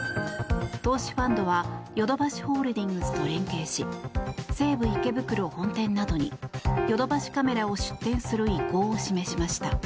投資ファンドはヨドバシホールディングスと連携し西武池袋本店などにヨドバシカメラを出店する意向を示しました。